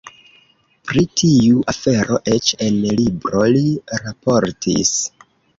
Pri tiu afero eĉ en libro li raportis.